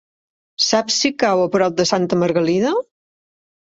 Saps si cau a prop de Santa Margalida?